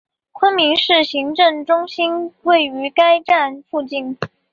昆明市行政中心位于该站附近。